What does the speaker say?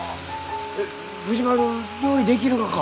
えっ藤丸料理できるがか？